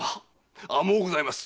甘うございます！